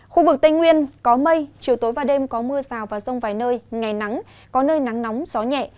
khu vực tây nguyên có mây chiều tối và đêm có mưa rào và rông vài nơi ngày nắng có nơi nắng nóng gió nhẹ